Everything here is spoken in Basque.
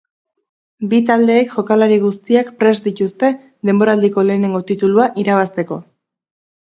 Bi taldeek jokalari guztiak prest dituzte denboraldiko lehenengo titulua irabazteko.